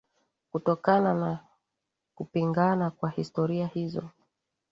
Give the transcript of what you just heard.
kutokana na kupingana kwa historia hizo